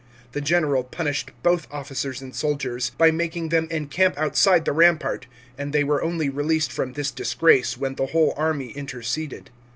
The general punished both officers and soldiers by making them encamp outside the rampart, and they were only released from this disgrace when the whole army interceded.